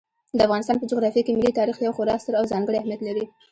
د افغانستان په جغرافیه کې ملي تاریخ یو خورا ستر او ځانګړی اهمیت لري.